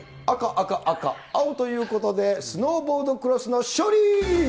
赤、赤、赤、青ということで、スノーボードクロスの勝利。